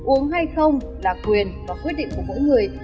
uống hay không là quyền và quyết định của mỗi người